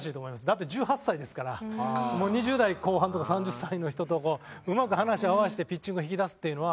だって１８歳ですからもう２０代後半とか３０歳の人とうまく話を合わせてピッチングを引き出すっていうのは。